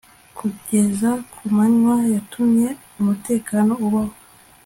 Kugeza ku manywa yatumye umutekano ubaho